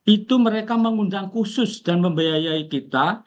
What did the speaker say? itu mereka mengundang khusus dan membiayai kita